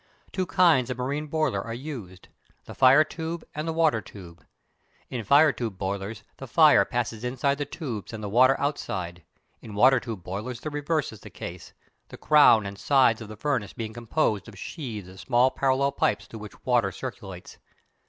Two kinds of marine boiler are used the fire tube and the water tube. In fire tube boilers the fire passes inside the tubes and the water outside; in water tube boilers the reverse is the case, the crown and sides of the furnace being composed of sheaves of small parallel pipes through which water circulates.